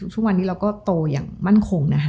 ทุกวันนี้เราก็โตอย่างมั่นคงนะคะ